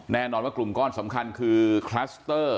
แน่นอนว่ากลุ่มก้อนสำคัญคือคลัสเตอร์